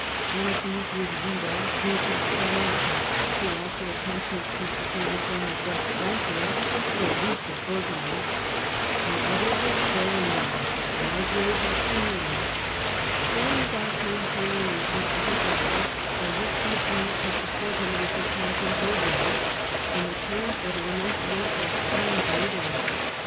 One of these was Wido, Duke of Spoleto, who also attempted to secure the throne of West Francia, or at least of Burgundy ; the other was Berengar, Margrave of Friuli. Berengar came to an arrangement with his rival by which he agreed to sup port him in his attempt in Burgundy in return for the renunciation of his claims in Italy.